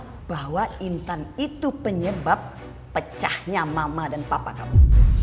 saya merasa bahwa intan itu penyebab pecahnya mama dan papa kamu